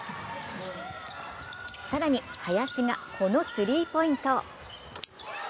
更に、林がこのスリーポイント。